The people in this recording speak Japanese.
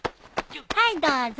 はいどうぞ。